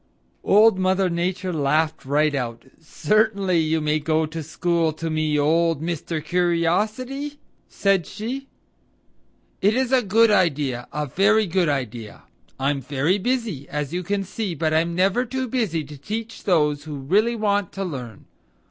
Old Mother Nature laughed right out. "Certainly you may go to school to me, old Mr. Curiosity," said she. "It is a good idea; a very good idea. I'm very busy, as you can see, but I'm never too busy to teach those who really want to learn.